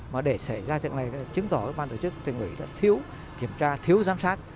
mà để xảy ra chuyện này là chứng tỏ ban tổ chức tình ủy đã thiếu kiểm tra thiếu giám sát